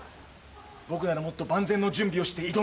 僕ならもっと万全の準備をして挑む。